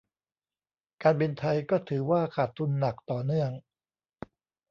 การบินไทยก็ถือว่าขาดทุนหนักต่อเนื่อง